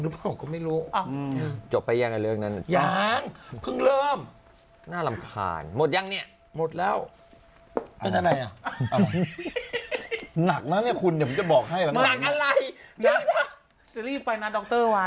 พี่ไปนะดรวายไม่มีฉันยังไม่ได้ถามเขาหมดหรือยังฉันยังไม่ได้อ่านเขา